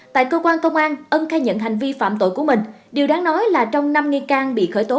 tại cơ quan công an ân khai nhận hành vi phạm tội của mình điều đáng nói là trong năm nghi can bị khởi tố